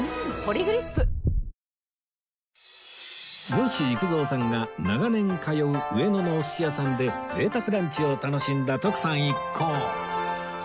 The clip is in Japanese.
吉幾三さんが長年通う上野のお寿司屋さんで贅沢ランチを楽しんだ徳さん一行